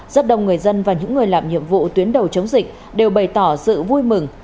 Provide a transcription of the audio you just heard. rất đông người dân và những người làm nhiệm vụ tuyến đầu chống dịch đều bày tỏ sự vui mừng